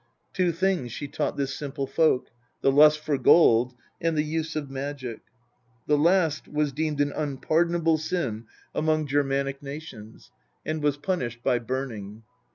Two things she taught this simple folk the lust for gold, and the use of magic. The last was deemed an unpardonable sin among Germanic LxxVi THE POETIC EDDA. nations, and was punished by burning.